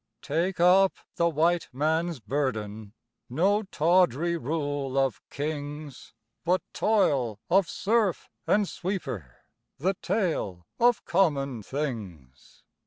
Take up the White Man's burden No tawdry rule of kings, But toil of serf and sweeper The tale of common things.